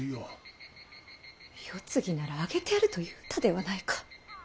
世継ぎならあげてやると言うたではないか！